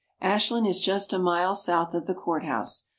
Ashland is just a mile south of the courthouse.